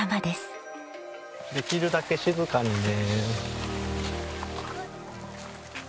できるだけ静かにね。